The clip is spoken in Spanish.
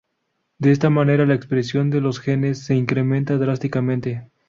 De esta manera la expresión de los genes se incrementa drásticamente.